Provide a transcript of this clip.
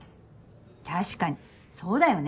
確かにそうだよね。